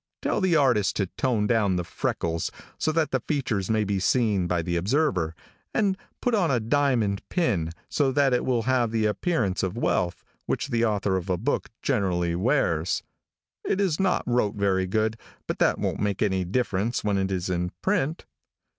Tell the artist to tone down the freckles so that the features may be seen by the observer, and put on a diamond pin, so that it will have the appearance of wealth, which the author of a book generally wears. It is not wrote very good, but that won't make any difference when it is in print.